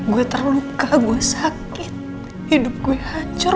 gue terluka gue sakit hidup gue hancur